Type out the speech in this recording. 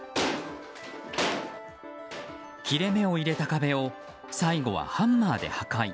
切れ目を入れた壁を最後はハンマーで破壊。